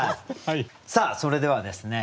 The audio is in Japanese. さあそれではですね